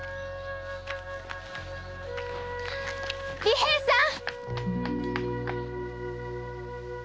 利平さん！